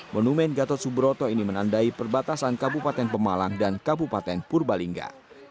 monumen gatot subroto ini menandai perbatasan kabupaten pemalang dan kabupaten purbalingga